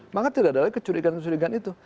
maka tidak ada lagi kecurigaan kecurigaan itu